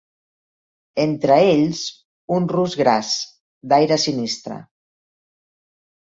Entre ells un rus gras, d'aire sinistre